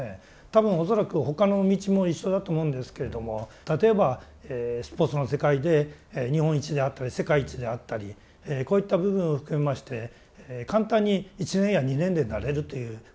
多分恐らく他の道も一緒だと思うんですけれども例えばスポーツの世界で日本一であったり世界一であったりこういった部分を含めまして簡単に１年や２年でなれるというわけではない。